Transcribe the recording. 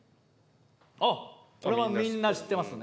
あっこれはみんな知ってますね。